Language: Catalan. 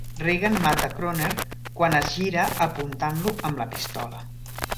Regan mata Kroner quan es gira apuntat-lo amb la pistola.